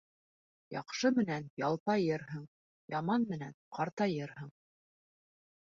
Яҡшы менән ялпайырһың, яман менән ҡартайырһың.